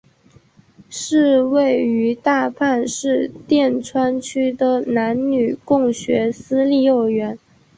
是位于大阪市淀川区的男女共学私立幼儿园。